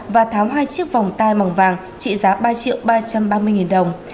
và tháo hai chiếc vòng tai màng vàng trị giá ba triệu ba trăm ba mươi đồng